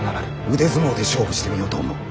腕相撲で勝負してみようと思う。